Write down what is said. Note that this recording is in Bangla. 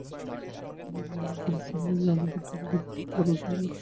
হারানবাবু কহিলেন, কিন্তু সুচরিতা যে আমাদের ঠাকুরকে পরিত্যাগ করবার উদ্যোগ করছেন।